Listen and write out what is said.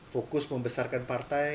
fokus membesarkan partai